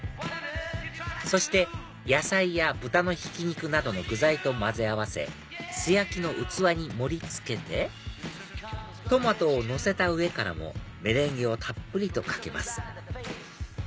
そして野菜や豚のひき肉などの具材と混ぜ合わせ素焼きの器に盛り付けてトマトをのせた上からもメレンゲをたっぷりとかけます